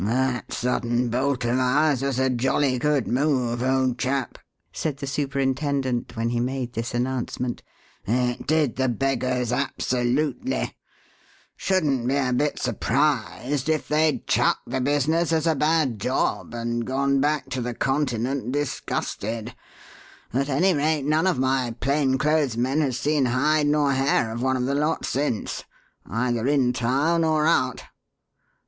"That sudden bolt of ours was a jolly good move, old chap," said the superintendent, when he made this announcement. "It did the beggars absolutely. Shouldn't be a bit surprised if they'd chucked the business as a bad job and gone back to the Continent disgusted. At any rate, none of my plain clothes men has seen hide nor hair of one of the lot since, either in town or out.